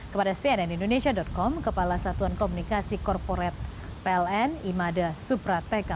kepada cnn indonesia com kepala satuan komunikasi korporat pln imada suprateka